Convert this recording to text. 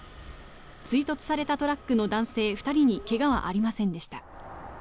追突されたトラックの男性２人に怪我はありませんでした。